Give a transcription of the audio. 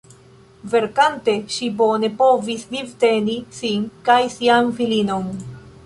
Verkante ŝi bone povis vivteni sin kaj sian filinon.